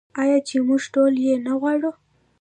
آیا چې موږ ټول یې نه غواړو؟